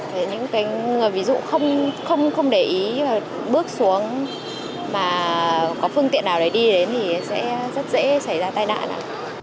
vì những cái người ví dụ không để ý bước xuống mà có phương tiện nào để đi đến thì sẽ rất dễ xảy ra tai nạn ạ